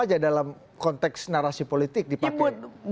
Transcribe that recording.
jadi itu adalah konteks narasi politik di partai